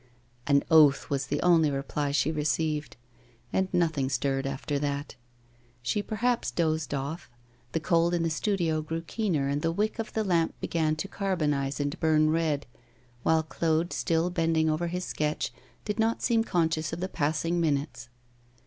An oath was the only reply she received. And nothing stirred after that. She perhaps dozed off. The cold in the studio grew keener, and the wick of the lamp began to carbonise and burn red, while Claude, still bending over his sketch, did not seem conscious of the passing minutes.